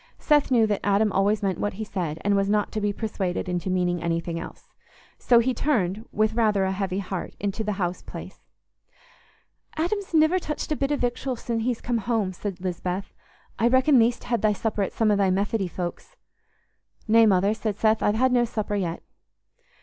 Seth knew that Adam always meant what he said, and was not to be persuaded into meaning anything else. So he turned, with rather a heavy heart, into the house place. "Adam's niver touched a bit o' victual sin' home he's come," said Lisbeth. "I reckon thee'st hed thy supper at some o' thy Methody folks." "Nay, Mother," said Seth, "I've had no supper yet."